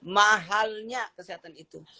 mahalnya kesehatan itu